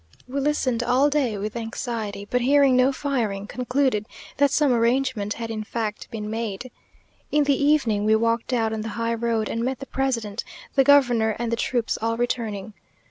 We listened all day with anxiety, but hearing no firing, concluded that some arrangement had in fact been made. In the evening we walked out on the high road, and met the president, the governor, and the troops all returning.